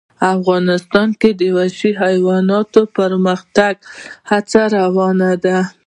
افغانستان کې د وحشي حیوانات د پرمختګ هڅې روانې دي.